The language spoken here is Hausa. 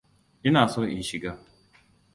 Ina so in shiga.